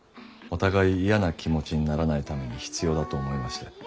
お互い嫌な気持ちにならないために必要だと思いまして。